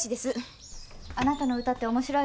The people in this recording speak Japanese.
あなたの歌って面白いわよ。